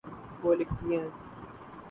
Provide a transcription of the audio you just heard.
وہ لکھتی ہیں